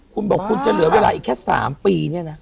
คุณบอกคุณจะเหลือเวลาอีกแค่๓ปีเนี่ยนะ